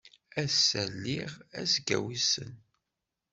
Ass-a lliɣ, azekka wissen.